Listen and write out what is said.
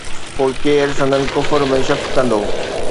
پوءِ ڪير سندن ڪفر ۾ شڪ ڪندو؟